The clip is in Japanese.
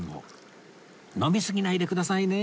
飲みすぎないでくださいね